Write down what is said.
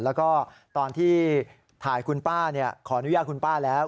แล้วก็ตอนที่ถ่ายคุณป้าขออนุญาตคุณป้าแล้ว